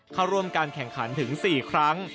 เข้าร่วมการแข่งขันถึง๔ครั้ง